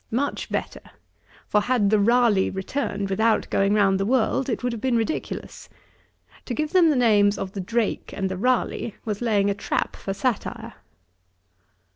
'Much better; for had the Ralegh returned without going round the world, it would have been ridiculous. To give them the names of the Drake and the Ralegh was laying a trap for satire.'